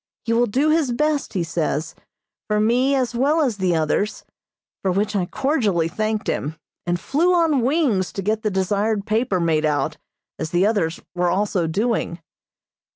He will do his best, he says, for me as well as the others, for which I cordially thanked him, and flew on wings to get the desired paper made out, as the others were also doing.